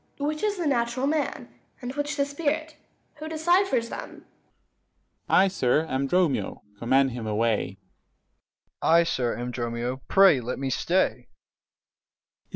Which is the natural man, And which the spirit? who deciphers them? Dro. S. I, sir, am Dromio: command him away. Dro. E. I, sir, am Dromio: pray, let me stay.